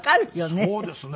そうですね。